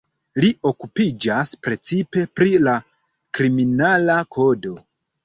Li okupiĝas precipe pri la kriminala kodo.